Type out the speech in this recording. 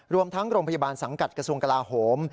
รวมทั้งโรงพยาบาลสังกัดกระทรวงกลาโหม